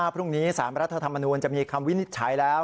พรุ่งนี้สารรัฐธรรมนูลจะมีคำวินิจฉัยแล้ว